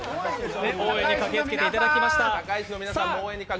応援に駆けつけていただきました。